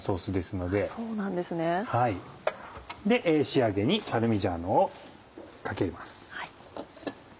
仕上げにパルミジャーノをかけます。